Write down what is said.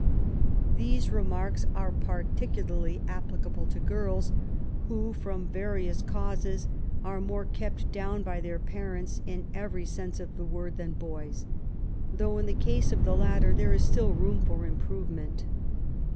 These remarka THE EIGHTS OF WOMEN. 96 are particnlarly applicable to girls, who *^ firom various causes are more kept down by tbeir parents, in every sense of the word, than boys/' though in the case of the latter there is still room for improvement.